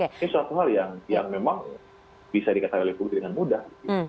ini suatu hal yang memang bisa dikatakan oleh publik dengan mudah